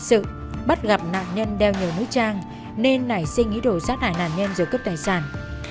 sự bắt gặp nạn nhân đeo nhiều mũi trang nên nảy suy nghĩ đổ sát hại nạn nhân rồi cấp tài sản